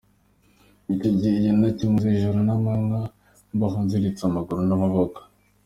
Icyo gihe cyose nakimaze ijoro n’amanywa mbaho nziritse amaguru n’amaboko.